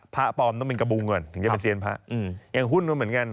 พระปลอมต้องเป็นกระบุงก่อนถึงจะเป็นเซียนพระยังหุ้นก็เหมือนกัน